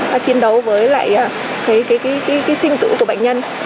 kiến đấu với lại cái sinh tử của bệnh nhân